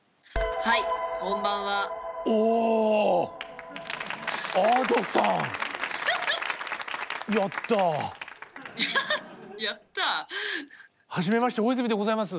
はははやったぁ⁉はじめまして大泉でございます。